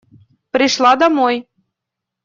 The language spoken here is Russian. Пришла домой.